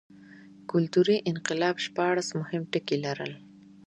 کلتوري انقلاب شپاړس مهم ټکي لرل.